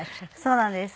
そうなんです。